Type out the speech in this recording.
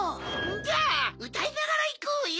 じゃあうたいながらいこうよ。